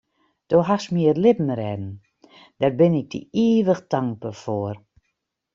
Do hast my it libben rêden, dêr bin ik dy ivich tankber foar.